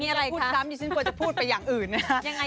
อยากจะพูดซ้ำอยู่ชิ้นกว่าจะพูดไปอย่างอื่นนะคะ